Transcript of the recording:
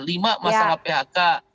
lima masalah phk